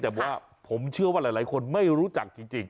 แต่ว่าผมเชื่อว่าหลายคนไม่รู้จักจริง